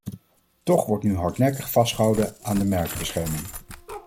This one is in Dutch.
Toch wordt nu hardnekkig vastgehouden aan de merkenbescherming.